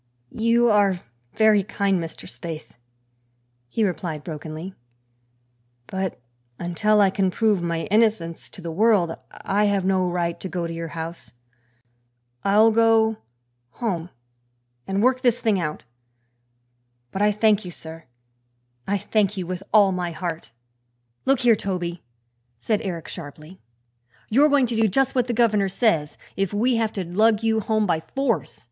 "You are very kind, Mr. Spaythe," he replied brokenly, "but until I can prove my innocence to the world I have no right to go to your house. I'll go home and work this thing out. But I thank you, sir; I thank you with all my heart!" "Look here, Toby," said Eric sharply, "you're going to do just what the governor says, if we have to lug you home by force.